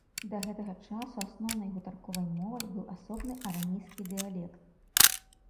Да гэтага часу асноўнай гутарковай мовай быў асобны арамейскі дыялект.